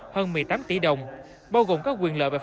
hơn một mươi tám tỷ đồng bao gồm các quyền lợi